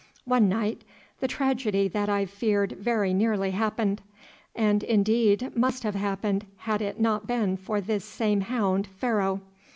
One night the tragedy that I feared very nearly happened, and indeed must have happened had it not been for this same hound, Pharaoh.